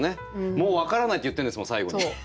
「もうわからない」って言ってんですもん最後に。